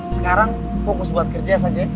sekarang fokus buat kerja saja